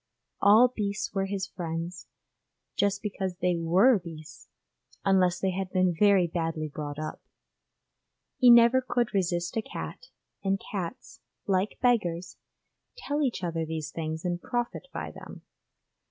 All beasts were his friends, just because they were beasts, unless they had been very badly brought up. He never could resist a cat, and cats, like beggars, tell each other these things and profit by them.